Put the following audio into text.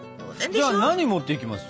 じゃあ何持っていきます？